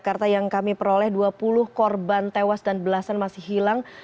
karena yang kami peroleh dua puluh korban tewas dan belasan masih hilang